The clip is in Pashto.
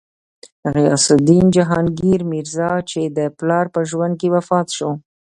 غیاث الدین جهانګیر میرزا، چې د پلار په ژوند کې وفات شو.